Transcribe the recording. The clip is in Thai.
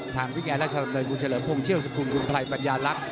ทางพี่แอร์ราชดำเนินคุณเฉลิมพงเชี่ยวสกุลคุณไพรปัญญาลักษณ